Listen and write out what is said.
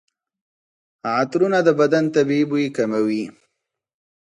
عطرونه د بدن طبیعي بوی کموي.